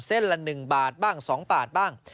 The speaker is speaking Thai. ละ๑บาทบ้าง๒บาทบ้าง